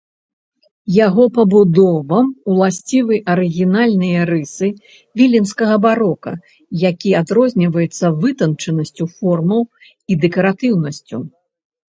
Яго пабудовам уласцівы арыгінальныя рысы віленскага барока, які адрозніваецца вытанчанасцю формаў і дэкаратыўнасцю.